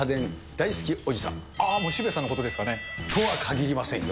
もう渋谷さんのことですかね。とは限りませんよ。